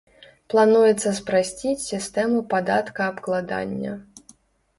Плануецца спрасціць сістэму падаткаабкладання.